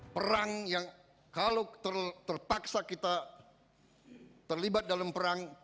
perang yang kalau terpaksa kita terlibat dalam perang